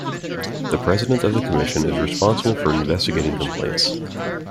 The President of the Commission is responsible for investigating complaints.